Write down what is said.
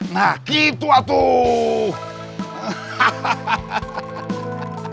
nah gitu atuh